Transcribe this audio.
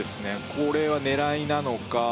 これは狙いなのか